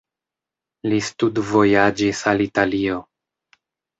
Li studvojaĝis al Italio.